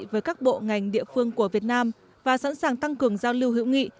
với các bộ ngành địa phương của việt nam và sẵn sàng tăng cường giao lưu hữu nghị